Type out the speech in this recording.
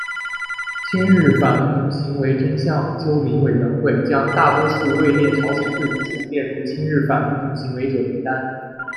亲日反民族行为真相纠明委员会将大多数位列朝鲜贵族者列入亲日反民族行为者名单。